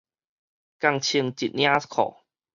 仝穿一領褲